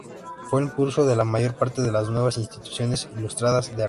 Fue impulsor de la mayor parte de las nuevas instituciones ilustradas de Aragón.